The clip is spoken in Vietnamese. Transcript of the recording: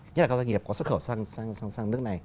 nhất là các doanh nghiệp có xuất khẩu xăng nước này